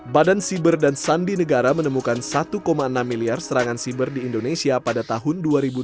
badan siber dan sandi negara menemukan satu enam miliar serangan siber di indonesia pada tahun dua ribu dua puluh